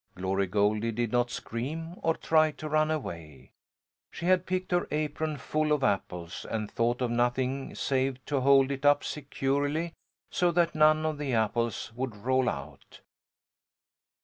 Glory Goldie did not scream or try to run away. She had picked her apron full of apples and thought of nothing save to hold it up securely, so that none of the apples would roll out.